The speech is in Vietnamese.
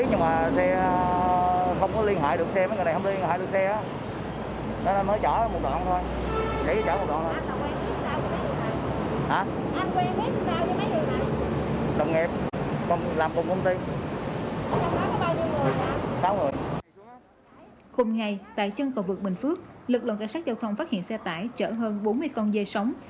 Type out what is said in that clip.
hôm nay tại chân cầu vực bình phước lực lượng cảnh sát giao thông phát hiện xe tải chở hơn bốn mươi con dây sóng